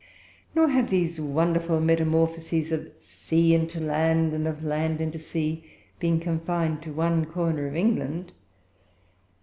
Nor have these wonderful metamorphoses of sea into land, and of land into sea, been confined to one corner of England.